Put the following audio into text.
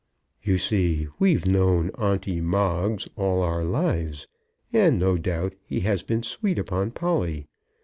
"You see we've known Onty Moggs all our lives, and no doubt he has been sweet upon Polly.